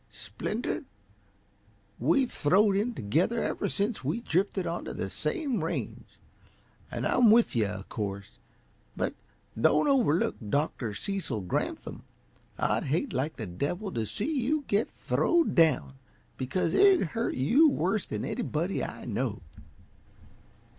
"Splinter, we've throwed in together ever since we drifted onto the same range, and I'm with you, uh course. But don't overlook Dr. Cecil Granthum. I'd hate like the devil to see you git throwed down, because it'd hurt you worse than anybody I know."